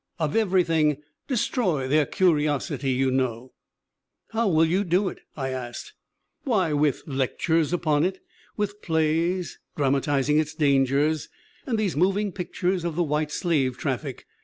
Of everything destroy their curios ity, you know/ " 'How will you do it?' I asked. " 'Why with lectures upon it, with plays drama tizing its dangers, and these moving pictures of the white slave traffic.